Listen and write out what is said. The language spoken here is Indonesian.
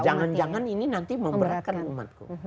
jangan jangan ini nanti memberatkan umatku